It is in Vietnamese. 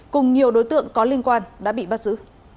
cùng nhiều đối tượng có liên quan đã bị bắt giữ